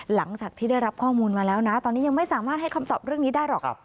หลังจากที่ได้รับข้อมูลมาแล้วนะตอนนี้ยังไม่สามารถให้คำตอบเรื่องนี้ได้หรอก